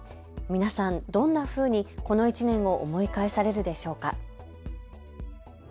皆さんどんなふうにこの１年を思い返されるでしょうか。